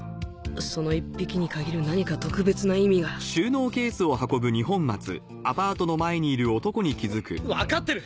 その１匹に限る何か特別な意味が。わ分かってる！